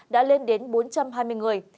đã lên đến bốn trăm hai mươi người